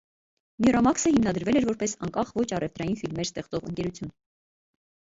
Միրամաքսը հիմնադրվել էր որպես անկախ ոչ առևտրային ֆիլմեր ստեղծող ընկերություն։